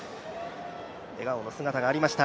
笑顔の姿がありました。